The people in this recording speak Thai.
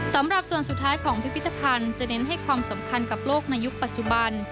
สำหรับส่วนสุดท้ายของพิพิธภัณฑ์จะเน้นให้ความสำคัญกับโลกในยุคปัจจุบัน